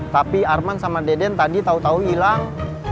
tapi arman sama deden tadi tau tau hilang